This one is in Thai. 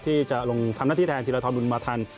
ที่จะลงทำหน้าที่แทนทีวิทยาลัทธรรมบุญมาทัน